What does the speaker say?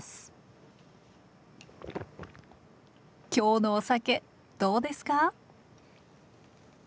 今日のお酒どうですか？